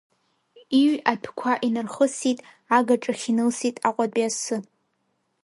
Иҩ адәқәа инархысит, агаҿахь инылсит Аҟәатәи асы…